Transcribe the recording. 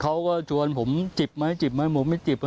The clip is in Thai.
เขาก็ชวนผมจิบไหมจิบไหมผมไม่จิบ